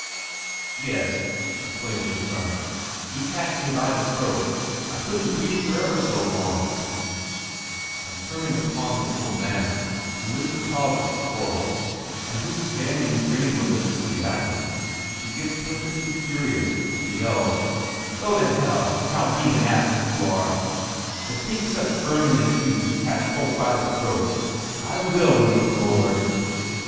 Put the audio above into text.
"Yes," explains her son, "he catched me by the throat; I couldn't breaths for ever so long," and turning upon the little man who is the cause of the quarrel, and who is standing grinning maliciously at him, he gets perfectly furious, and yells, "Go to hell, Chaldean ass that you are! To think such vermin as you should catch folk by the throat. I will, may the Lord...."